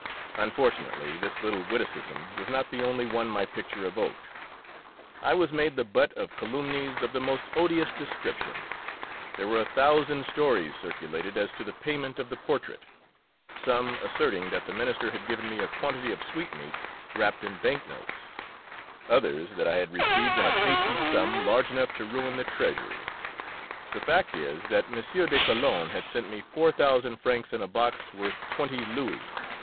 Unfortunately, this little witticism was not the only one my picture evoked; I was made the butt of calumnies of the most odious description. There were a thousand stories circulated as to the payment of the portrait, some asserting that the minister had given me a quantity of sweetmeats wrapped in bank notes, others that I had received in a pasty a sum large enough to ruin the treasury. The fact is, that M. de Calonne had sent me four thousand francs in a box worth twenty louis.